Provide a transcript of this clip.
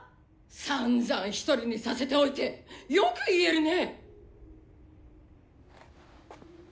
さんざんひとりにさせておいてよく言えるね！